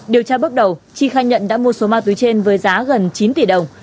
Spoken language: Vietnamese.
điều tra bước đầu chi khai nhận đã mua số ma túy trên với giá gần chín tỷ đồng